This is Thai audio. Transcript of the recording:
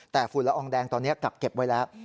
แต่ฝุ่นละอองแดงตอนนี้กักเก็บไว้แล้ว